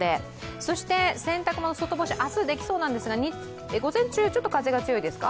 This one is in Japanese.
そして、洗濯物、外干し、明日できそうなんですが、午前中、ちょっと風が強いですか。